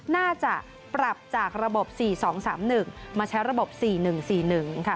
น่าจะปรับจากระบบ๔๒๓๑มาใช้ระบบ๔๑๔๑ค่ะ